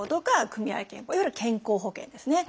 いわゆる健康保険ですね。